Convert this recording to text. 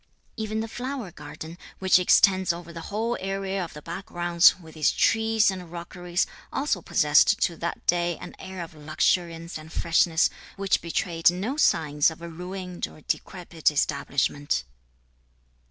Even the flower garden, which extends over the whole area of the back grounds, with its trees and rockeries, also possessed to that day an air of luxuriance and freshness, which betrayed no signs of a ruined or decrepid establishment."